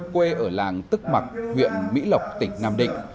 quê ở làng tức mặc huyện mỹ lộc tỉnh nam định